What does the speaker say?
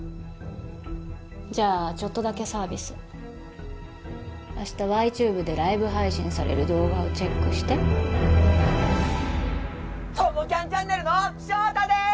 じゃあちょっとだけサービス明日Ｙチューブでライブ配信される動画をチェックして「友キャンチャンネル」のショータです